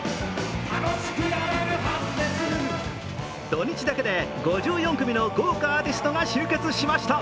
土日だけで５４組の豪華アーティストが集結しました。